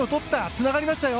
つながりましたよ。